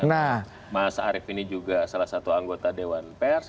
nah mas arief ini juga salah satu anggota dewan pers